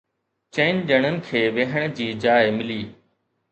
چئن ڄڻن کي ويهڻ جي جاءِ ملي